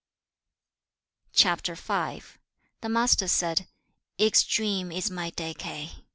CHAP. V. The Master said, 'Extreme is my decay.